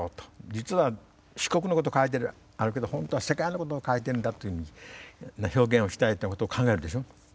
実は四国のことを書いてあるけど本当は世界のことを書いてるんだっていうふうな表現をしたいというようなことを考えるでしょ。